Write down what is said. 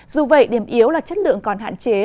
dù vậy điểm yếu là chất lượng còn hạn chế